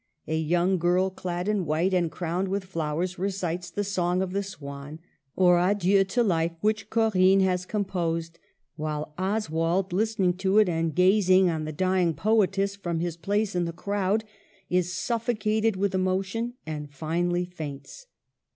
A young girl clad in white and crowned with flow ers recites the Song of the Swan, or adieu to life, which Corinne has composed, while Oswald, listening to it and gazing on the dying poetess from his place in the crowd, is suffocated with emotion and finally faints.